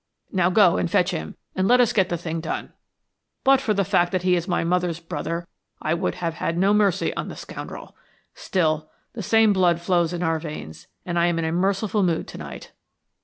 Now go and fetch him, and let us get the thing done. But for the fact that he is my mother's brother I would have had no mercy on the scoundrel. Still, the same blood flows in our veins, and I am in a merciful mood to night."